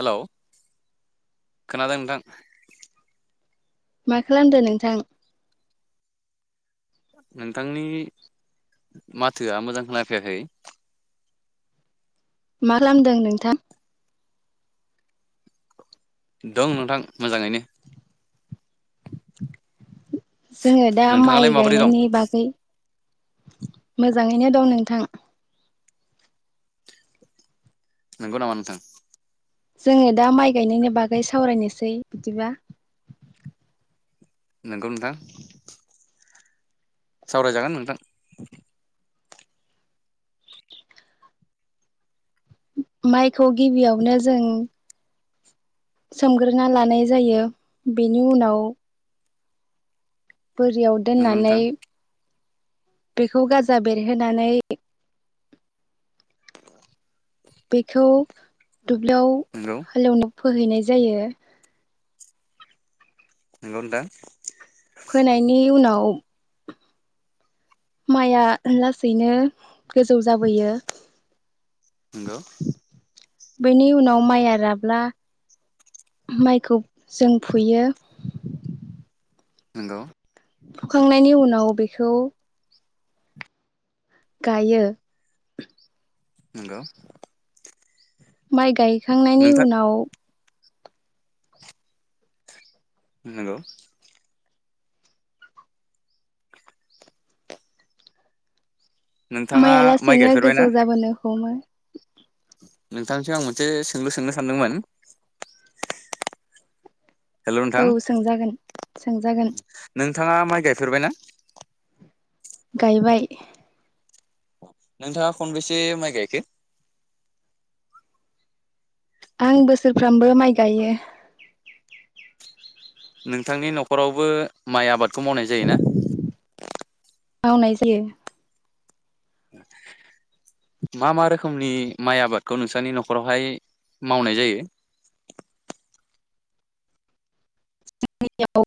Hello खोनादों नोंथां मा खालामदो नोंथां नोंथांनि माथोआ मोजां खोनाफैयाखै मा खालामदों नोंथां दं नोंथां मोजाङैनो जोङो दा माइ नोंथाङालाय माबोरै दं गायनायनि बागै मोजाङैनो दं नोंथां नोंगौ नामा नोंथां जोङो दा माइ गायनायनि बागै सावरायनोसै बिदिबा नोंगौ नोथां सावराय जागोन नोंथां माइखौ गिबियावनो जों सोमग्रोना लानाय जायो बेनि उनाव बोरियाव नंगौ दोननानै नोंथां बेखौ गाजा बेरहोनानै बेखौ दुब्लियाव नंगौ हालेवन' फोहैनाय जायो नोंगौ नोंथां औ माइआ लासैनो गोजौ जाबोयो नोंगौ बैनि उनाव माइआ राब्ला माइखौ जों फुयो नोंगौ फुखांनायनि उनाव बेखौ गायो नोंगौ माइ गायखांनायनि उनाव नोंगौ नोंथाङा माइ आ लासैनो गायफेरबायना गोजौ जाबोनो हमो। नोंथांनिसिम आं मोनसे सोंलु सोंनो सानदोंमोन। हेल' नोंथां औ सोंजागोन सोंजागोन नोंथाङा माइ गायफेरबायना? गायबाय नोंथाङा खनबेसे माइ गायखो? आं बोसोरफ्रामबो माइ गायो। नोंथांनि न'खरावबो माइ आबादखौ मावनाय जायोना। मावनाय जायो। मा मा रोखोमनि माइ आबादखौ नोंसोरनि न'खरावहाय मावनाय जायो। जोंनिआव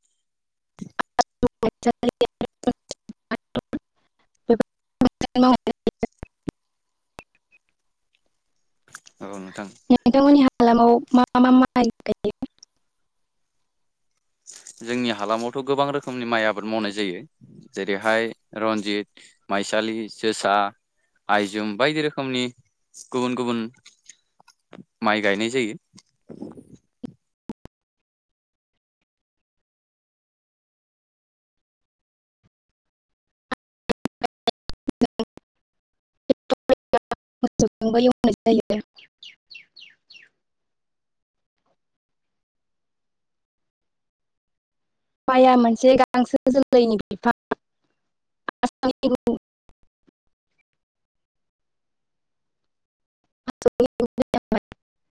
[unintelligible] [inaudible] नोंथांमोननि हालामाव मा मा मा [unintelligible] जोंनि हालामावथ' गोबां रोखोमनि माइ आबाद मावनाय जायो जेरैहाय रन्जित माइसालि जोसा आइजुम बायदि रोखोमनि गुबुन गुबुन माइ गायनाय जायो। [unintelligible] मोसौजोंबो एवनाय जायो। माया मोनसे गांसो जोलैनि बिफां आसामनि गुबुन [unintelligible]